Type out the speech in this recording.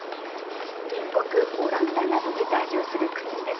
隣国オランダなどに在住する９人です。